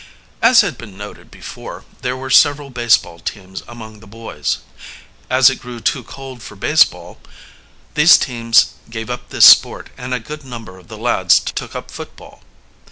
As has been noted before, there were several baseball teams among the boys. As it grew too cold for baseball, these teams gave up this sport, and a good number of the lads took up football.